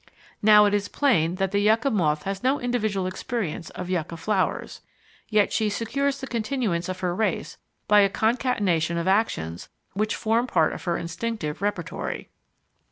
Now it is plain that the Yucca Moth has no individual experience of Yucca flowers, yet she secures the continuance of her race by a concatenation of actions which form part of her instinctive repertory.